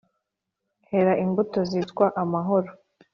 Hera imbuto zitwa amahoro